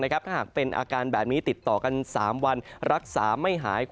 ถ้าหากเป็นอาการแบบนี้ติดต่อกัน๓วันรักษาไม่หาย